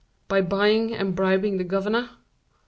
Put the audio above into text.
"By buying and bribing the governor."